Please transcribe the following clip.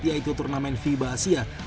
yaitu turnamen fiba asia